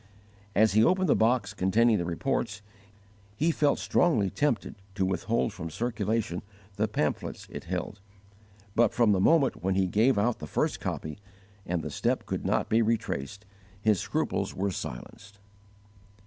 As he opened the box containing the reports, he felt strongly tempted to withhold from circulation the pamphlets it held; but from the moment when he gave out the first copy, and the step could not be retraced, his scruples were silenced.